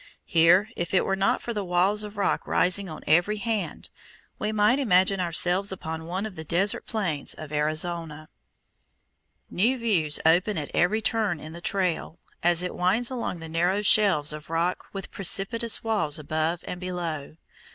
Here, if it were not for the walls of rock rising on every hand, we might imagine ourselves upon one of the desert plains of Arizona. [Illustration: FIG. 5. CLIFFS ON THE TRAIL INTO THE GRAND CAÑON] New views open at every turn in the trail, as it winds along the narrow shelves of rock with precipitous walls above and below.